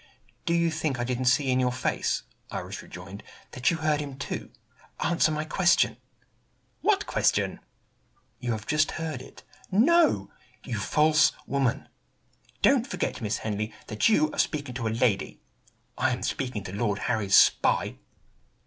"Do you think I didn't see in your face," Iris rejoined, "that you heard him, too? Answer my question." "What question?" "You have just heard it." "No!" "You false woman!" "Don't forget, Miss Henley, that you are speaking to a lady." "I am speaking to Lord Harry's spy!"